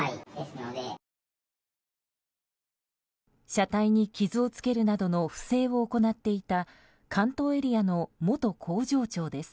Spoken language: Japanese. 車体に傷をつけるなどの不正を行っていた関東エリアの元工場長です。